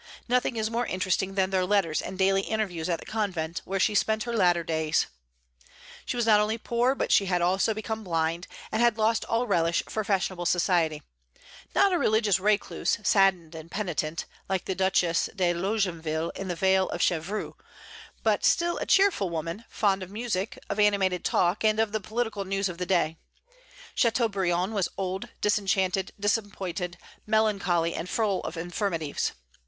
Nothing is more interesting than their letters and daily interviews at the convent, where she spent her latter days. She was not only poor, but she had also become blind, and had lost all relish for fashionable society, not a religious recluse, saddened and penitent, like the Duchesse de Longueville in the vale of Chevreuse, but still a cheerful woman, fond of music, of animated talk, and of the political news of the day, Châteaubriand was old, disenchanted, disappointed, melancholy, and full of infirmities.